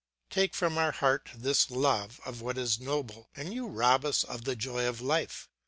Take from our hearts this love of what is noble and you rob us of the joy of life.